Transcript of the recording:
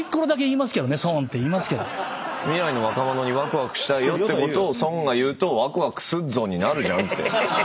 未来の若者にワクワクしたいよってことを孫が言うと「ワクワクすっぞ‼」になるじゃんって。